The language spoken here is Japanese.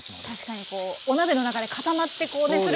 確かにこうお鍋の中で固まってこうね。